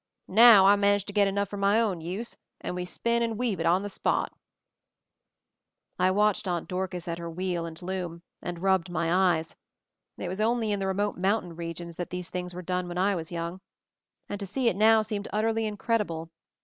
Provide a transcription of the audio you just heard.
Now I manage to get enough for my own use, and we spin and weave it on the spot !" I watched Aunt Dorcas at her wheel and loom, and rubbed my eyes. It was only in the remote mountain regions that these things were done when I was young, and to see it now seemed utterly incredible.